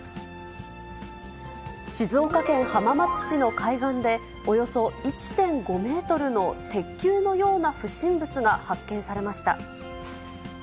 静岡県浜松市の海岸で、およそ１．５メートルの鉄球のような不審物が発見されました。